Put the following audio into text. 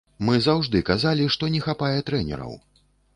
Мы заўжды казалі, што не хапае трэнераў.